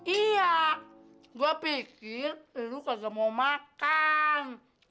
iya gua pikir lu kasihan mau makan